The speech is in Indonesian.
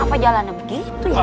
kenapa jalannya begitu ya